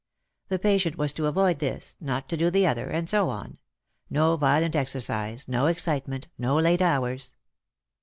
The patient was to avoid this, not to do the other, and so on ; no violent ex ercise, no excitement, no late hours.